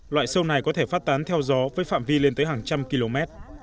loại sâu này có thể phát tán theo gió với phạm vi lên tới hàng trăm km